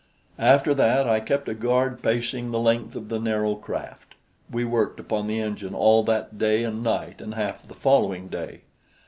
After that I kept a guard pacing the length of the narrow craft. We worked upon the engine all that day and night and half the following day.